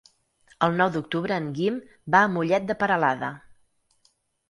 El nou d'octubre en Guim va a Mollet de Peralada.